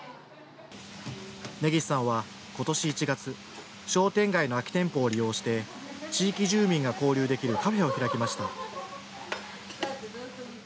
根岸さんは今年１月商店街の空き店舗を利用して地域住民が交流できるカフェを開きました。